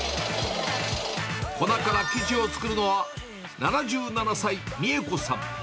粉から生地を作るのは７７歳、美恵子さん。